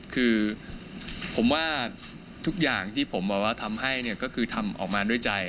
คือผมว่าทุกอย่างที่ผมบอกว่าทำให้ก็คือทำออกมาด้วยใจ